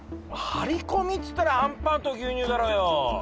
張り込みっつったらあんパンと牛乳だろうよ！